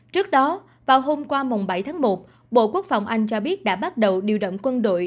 trước đó vào hôm qua bảy tháng một bộ quốc phòng anh cho biết đã bắt đầu điều động quân đội